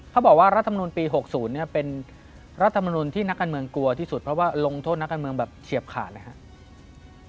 เขาบอกว่ารัฐมนุนปี๖๐เป็นรัฐมนุนที่นักการเมืองกลัวที่สุดเพราะว่าลงโทษนักการเมืองแบบเฉียบขาดเลยครับ